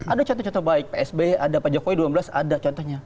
ada contoh contoh baik psb ada pak jokowi dua ribu enam belas ada contohnya